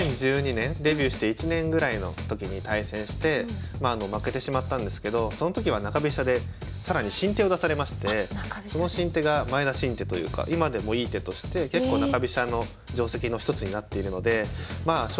２０１２年デビューして１年ぐらいの時に対戦してまあ負けてしまったんですけどその時は中飛車で更に新手を出されましてその新手が前田新手というか今でもいい手として結構中飛車の定跡の一つになっているのでまあ